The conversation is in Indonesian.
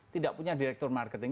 tidak punya direktur marketing